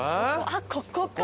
あっここか。